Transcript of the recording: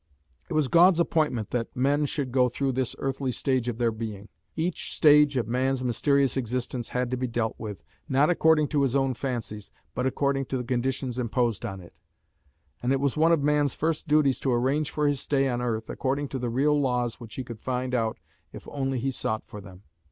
It was God's appointment that men should go through this earthly stage of their being. Each stage of man's mysterious existence had to be dealt with, not according to his own fancies, but according to the conditions imposed on it; and it was one of man's first duties to arrange for his stay on earth according to the real laws which he could find out if he only sought for them.